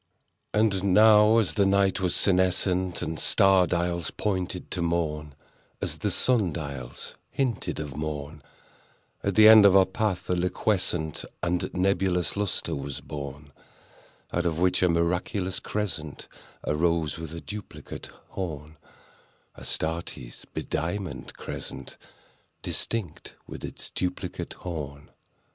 And now, as the night was senescent, And star dials pointed to morn— As the star dials hinted of morn— At the end of our path a liquescent And nebulous lustre was born, Out of which a miraculous crescent Arose with a duplicate horn— Astarte's bediamonded crescent, Distinct with its duplicate horn.